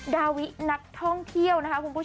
ดาวินักท่องเที่ยว